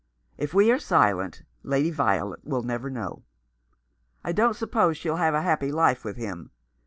If we are silent Lady Violet will never know. I don't suppose she'll have a happy life with him.